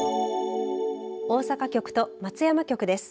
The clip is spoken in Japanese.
大阪局と松山局です。